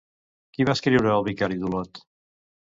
Qui va escriure El vicari d'Olot?